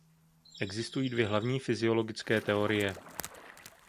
Existují dvě hlavní fyziologické teorie.